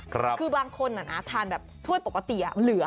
คือบางคนทานแบบถ้วยปกติเหลือ